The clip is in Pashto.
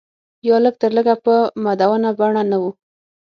یا لږ تر لږه په مدونه بڼه نه و.